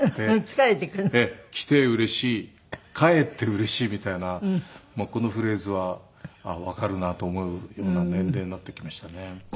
疲れてくるの？来てうれしい帰ってうれしいみたいなこのフレーズはわかるなと思うような年齢になってきましたね。